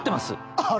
あれ？